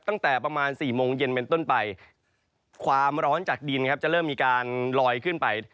ตั้งแต่ประมาณ๔โมงเย็นเป็นต้นไปความร้อนจากดินครับจะเริ่มมีการลอยขึ้นไป